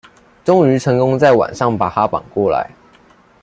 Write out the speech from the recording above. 終於成功在晚上把他綁過來